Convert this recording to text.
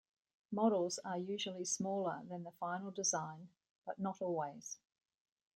Models are usually smaller than the final design, but not always.